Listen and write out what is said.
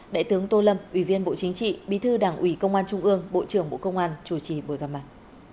đại tướng tô lâm ủy viên bộ chính trị bí thư đảng ủy công an trung ương bộ trưởng bộ công an chủ trì buổi gặp mặt